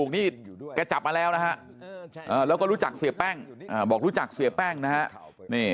นี่แกจับมาแล้วนะฮะแล้วก็รู้จักเสียแป้งบอกรู้จักเสียแป้งนะฮะ